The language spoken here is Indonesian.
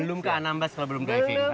belum ke anambas kalau belum diving